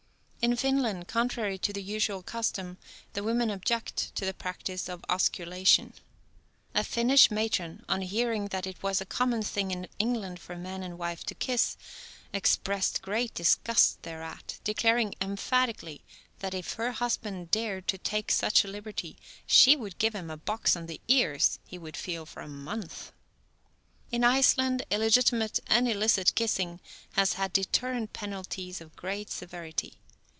In Finland, contrary to the usual custom, the women object to the practice of osculation. A Finnish matron, on hearing that it was a common thing in England for man and wife to kiss, expressed great disgust thereat, declaring emphatically that if her husband dared to take such a liberty, she would give him a box on the ears he would feel for a month! In Iceland illegitimate and illicit kissing has had deterrent penalties of great severity.